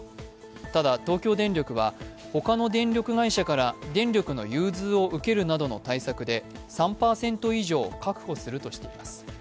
ただ、東京電力は、他の電力会社から電力の融通を受けるなどの対策で３％以上確保するとしています。